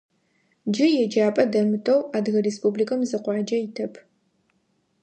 Джы еджапӏэ дэмытэу Адыгэ Республикэм зы къуаджэ итэп.